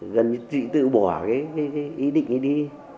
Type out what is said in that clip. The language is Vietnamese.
gần như chị tự bỏ cái ý định ấy đi